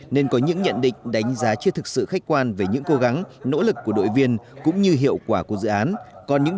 nên có những nhận định đánh giá chưa thực sự khách quan về những cố gắng nỗ lực của đội viên cũng như hiệu quả của dự án